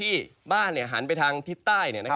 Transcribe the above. แต่ว่าในช่วงบ่ายนะครับอากาศค่อนข้างร้อนและอุ๊บนะครับ